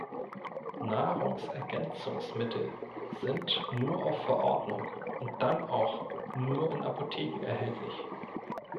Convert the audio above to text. Nahrungsergänzungsmittel sind nur auf Verordnung und dann auch nur in Apotheken erhältlich.